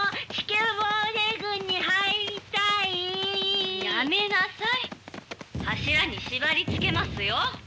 柱に縛りつけますよ。